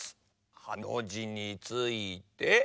ハのじについて。